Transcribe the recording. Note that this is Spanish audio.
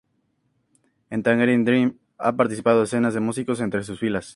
En Tangerine Dream han participado decenas de músicos entre sus filas.